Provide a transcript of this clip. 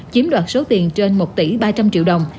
chiếm đoạt số tiền trên một tỷ ba trăm linh triệu đồng